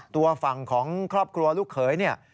ตัวฝั่งของครอบครัวลูกเขย